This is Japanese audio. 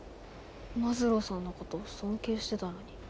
マズローさんのこと尊敬してたのに。